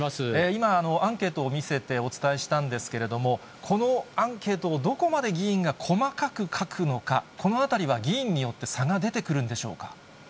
今、アンケートを見せてお伝えしたんですけれども、このアンケートをどこまで議員が細かく書くのか、このあたりは議員によって差が出てくるんでしょうか？